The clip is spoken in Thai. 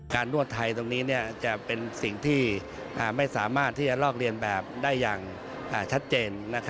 นวดไทยตรงนี้จะเป็นสิ่งที่ไม่สามารถที่จะลอกเรียนแบบได้อย่างชัดเจน